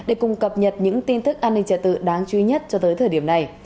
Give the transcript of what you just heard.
để cùng cập nhật những tin tức an ninh trả tự đáng chú ý nhất cho tới thời điểm này